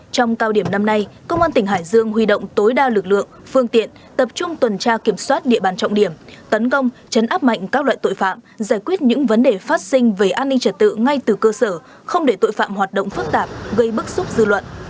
trong cao điểm năm nay công an tỉnh hải dương huy động tối đa lực lượng phương tiện tập trung tuần tra kiểm soát địa bàn trọng điểm tấn công chấn áp mạnh các loại tội phạm giải quyết những vấn đề phát sinh về an ninh trật tự ngay từ cơ sở không để tội phạm hoạt động phức tạp gây bức xúc dư luận